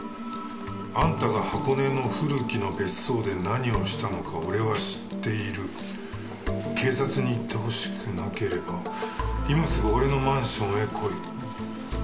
「あんたが箱根の古木の別荘で何をしたのか俺は知っている」「警察に行ってほしくなければ今すぐ俺のマンションへ来い」